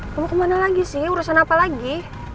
kamu kemana lagi sih urusan apa lagi